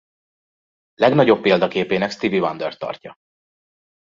Legnagyobb példaképének Stevie Wondert tartja.